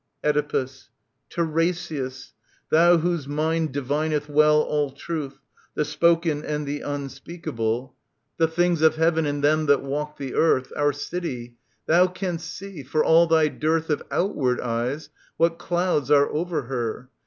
' Oedipus. Tiresias, thou whose mind divineth well All Truth, the spoken and the unspeakable, 17 SOPHOCLES »T. 302 321 The things of heaven and them that walk the earth ; Our city ... thou canst see, for all thy dearth Of outward eyes, what clouds are over her.